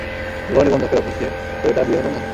বিবাহ নিবন্ধকের অফিসে, তো এটা বিয়ে হলো না?